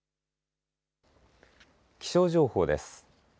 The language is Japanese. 気象情報です。